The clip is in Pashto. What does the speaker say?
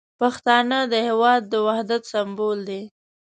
پښتانه د هیواد د وحدت سمبول دي.